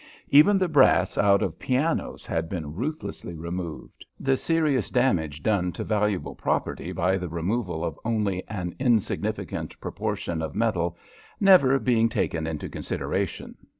Even the brass out of pianos has been ruthlessly removed, the serious damage done to valuable property by the removal of only an insignificant proportion of metal never being taken into consideration.